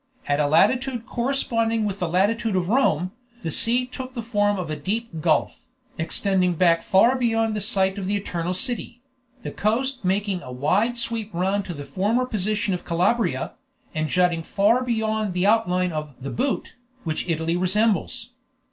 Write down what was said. At a latitude corresponding with the latitude of Rome, the sea took the form of a deep gulf, extending back far beyond the site of the Eternal City; the coast making a wide sweep round to the former position of Calabria, and jutting far beyond the outline of "the boot," which Italy resembles.